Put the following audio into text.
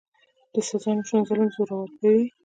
د سزا نشتون ظالم زړور کوي.